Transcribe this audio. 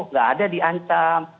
enggak ada di ancam